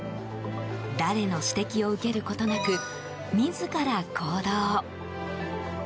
誰の指摘を受けることなく自ら行動。